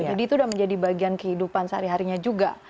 jadi itu sudah menjadi bagian kehidupan sehari harinya juga